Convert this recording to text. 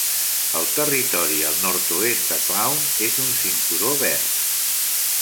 El territori al nord-oest de Clowne és un cinturó verd.